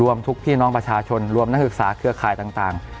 รวมทุกพี่น้องประชาชนรวมนักศึกษาเครือข่ายต่าง